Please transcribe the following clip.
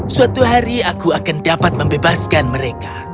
suatu hari aku akan dapat membebaskan mereka